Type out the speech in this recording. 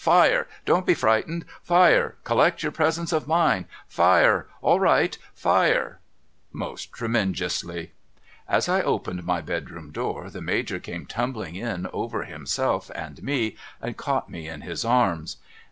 — Fire ! Don't be frightened !— Fire ! Collect your presence of mind !— Fire ! All right — Fire !' most tremenjously. As I opened my bedroom door the Major came tumbling in over himself and me, and caught me in his arms.